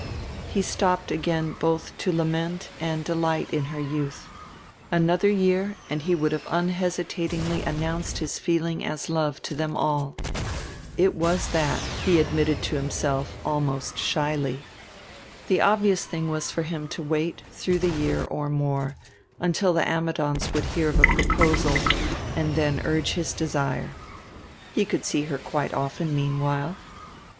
He stopped again both to lament and delight in her youth another year and he would have unhesitatingly announced his feeling as love to them all. It was that, he admitted to himself almost shyly. The obvious thing was for him to wait through the year or more until the Ammidons would hear of a proposal and then urge his desire.... He could see her quite often meanwhile.